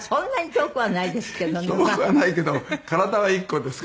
遠くはないけど体は１個ですから。